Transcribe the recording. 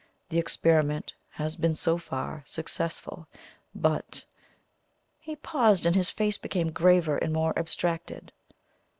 The experiment has been so far successful; but " He paused, and his face became graver and more abstracted.